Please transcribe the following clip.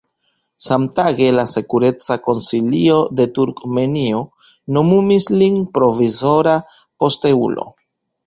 Samtage la sekureca konsilio de Turkmenio nomumis lin provizora posteulo.